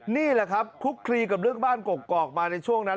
นี่แหละครับคุกคลีกับเรื่องบ้านกอกมาในช่วงนั้น